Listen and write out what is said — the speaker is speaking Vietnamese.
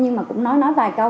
nhưng mà cũng nói nói vài câu